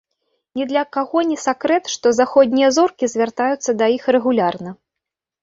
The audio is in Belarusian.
Ні для каго не сакрэт, што заходнія зоркі звяртаюцца да іх рэгулярна.